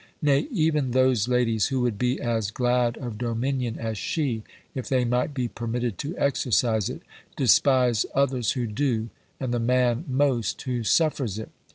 Nay, even those ladies, who would be as glad of dominion as she, if they might be permitted to exercise it, despise others who do, and the man most who suffers it.